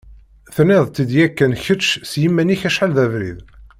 Tenniḍ-t-id yakan kečč s yiman-ik acḥal d abrid.